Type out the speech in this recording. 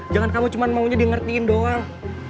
jangan kamu cuma maunya di ngertiin doang